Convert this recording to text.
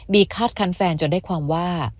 คาดคันแฟนจนได้ความว่า